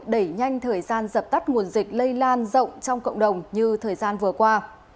đẩy nhanh thời gian dập tắt nguồn dịch lây lan rộng trong cộng đồng như thời gian vừa qua